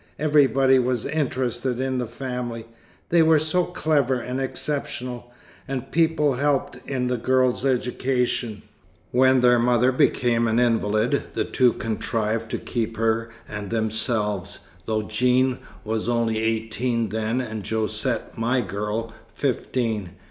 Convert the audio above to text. Everybody was interested in the family, they were so clever and exceptional, and people helped in the girls' education. When their mother became an invalid, the two contrived to keep her and themselves, though Jeanne was only eighteen then, and Josette, my girl, fifteen.